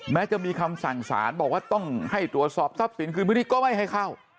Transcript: แม้จะมีคำสั่งสารบอกว่าต้องให้ตรวจสอบทรัพย์สินคืนพื้นที่ก็ไม่ให้เข้า